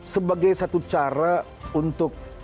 sebagai satu cara untuk